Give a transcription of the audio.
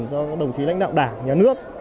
cho đồng chí lãnh đạo đảng nhà nước